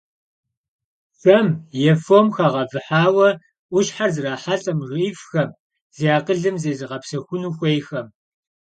Шэм е фом хэгъэвыхьауэ ӏущхьэр зрахьэлӏэ мыжеифхэм, зи акъылым зезыгъэпсэхуну хуейхэм.